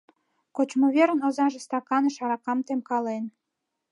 Кочмыверын озаже стаканыш аракам темкален.